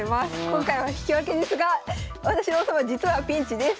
今回は引き分けですが私の王様実はピンチです。